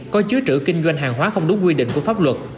có chứa trữ kinh doanh hàng hóa không đúng quy định của pháp luật